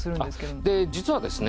あっ実はですね